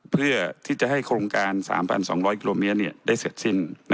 เพื่อที่จะให้โครงการ๓๒๐๐กิโลเมตรได้เสร็จสิ้น